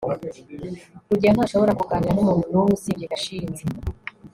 rugeyo ntashobora kuganira numuntu numwe usibye gashinzi